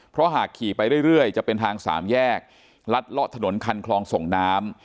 เพราะหากขี่ไปเรื่อยจะเป็นทางสามแยกลัดเลาะถนนคันคลองส่งน้ำ